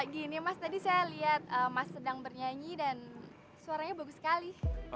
gini mas tadi saya lihat mas sedang bernyanyi dan suaranya bagus sekali